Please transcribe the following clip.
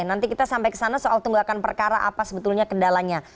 nanti kita sampai ke sana soal tunggakan perkara apa sebetulnya kendalanya